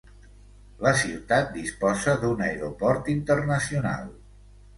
La ciutat disposa d'un aeroport internacional.